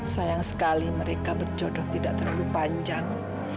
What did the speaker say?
sayang sekali mereka berjodoh tidak terlalu panjang